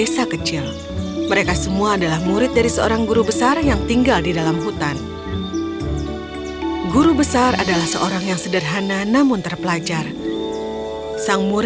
som fes dan jivan belajar banyak kemampuan